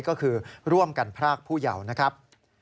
ก็คือร่วมกันพรากผู้เยาว์นะครับ